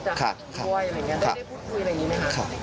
ได้ได้พูดคุยอะไรอย่างนี้ไหมครับ